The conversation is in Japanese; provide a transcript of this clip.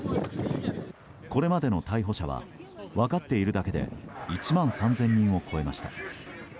これまでの逮捕者は分かっているだけで１万３０００人を超えました。